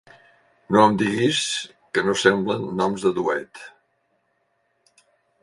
No em diguis que no semblen noms de duet!